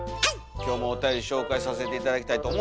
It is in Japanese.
今日もおたより紹介させて頂きたいと思いますが。